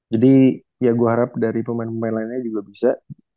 jadi ya gue harap dari pemain pemain lainnya juga bisa